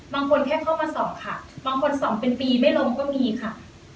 บางคนแค่เข้ามาส่องค่ะบางคนส่องเป็นปีไม่ลงก็มีค่ะ